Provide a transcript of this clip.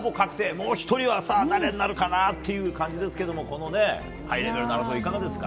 もう１人は誰になるかという感じですけど、このハイレベルな争いいかがですか？